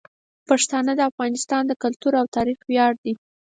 پښتانه د افغانستان د کلتور او تاریخ ویاړ دي.